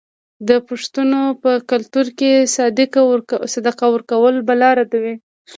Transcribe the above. د پښتنو په کلتور کې صدقه ورکول بلا ردوي.